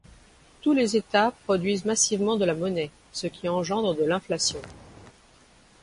Tous les États produisent massivement de la monnaie, ce qui engendre de l'inflation.